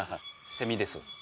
セミです。